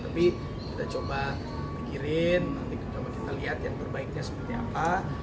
tapi kita coba pikirin nanti coba kita lihat yang terbaiknya seperti apa